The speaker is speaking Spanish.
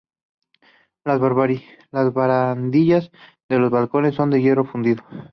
Las barandillas de los balcones son de hierro fundido.